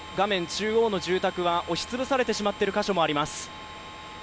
中央の住宅は押し潰されてしまっている箇所もあります。